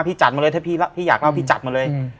จัดมาเลยถ้าพี่อยากเล่าพี่จัดมาเลย